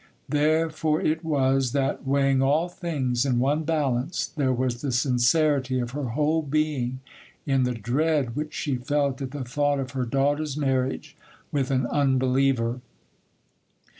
Therefore it was, that, weighing all things in one balance, there was the sincerity of her whole being in the dread which she felt at the thought of her daughter's marriage with an unbeliever.